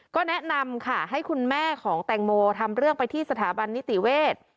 ก็แนะนำค่ะให้คุณแม่ของแตงโมทำเรื่องไปที่สถาบันนิติเวทย์